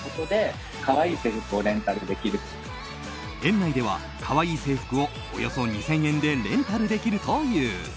園内では可愛い制服をおよそ２０００円でレンタルできるという。